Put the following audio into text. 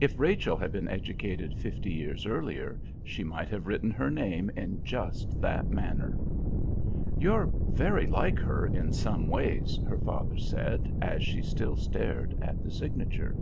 If Rachel had been educated fifty years earlier, she might have written her name in just that manner. "You're very like her in some ways," her father said, as she still stared at the signature.